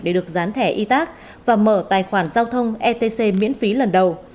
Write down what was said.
để được dán thẻ y tác và mở tài khoản giao thông etc miễn phí lần đầu